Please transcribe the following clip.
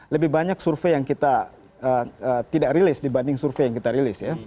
lebih banyak survei yang kita tidak rilis dibanding survei yang kita rilis ya